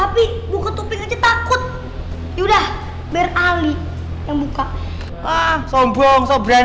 april katanya karena tuh ada di sini itu siapa tuh lho leh itu sopo yo mister kentang